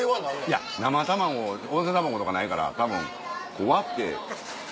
いや生卵温泉卵とかないからたぶんこう割って。